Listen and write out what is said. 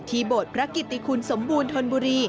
โบสถ์พระกิติคุณสมบูรณธนบุรี